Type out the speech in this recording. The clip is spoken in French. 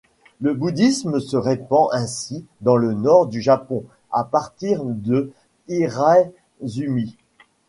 Le bouddhisme se répand ainsi dans le nord du Japon à partir de Hiraizumi.